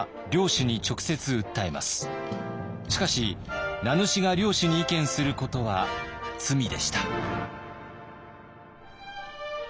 しかし名主が領主に意見することは「罪」でした。